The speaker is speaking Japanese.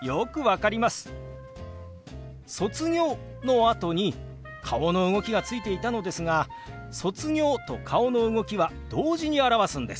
「卒業」のあとに顔の動きがついていたのですが「卒業」と顔の動きは同時に表すんです。